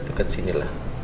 itu deket sini lah